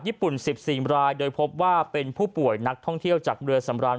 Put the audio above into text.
๑๔รายโดยพบว่าเป็นผู้ป่วยนักท่องเที่ยวจากเรือสำราญ